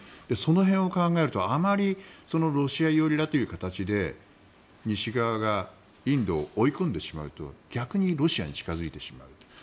その辺を考えるとあまりロシア寄りだという形で西側がインドを追い込んでしまうと逆にロシアに近付いてしまう。